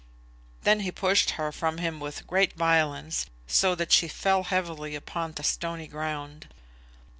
Then he pushed her from him with great violence, so that she fell heavily upon the stony ground.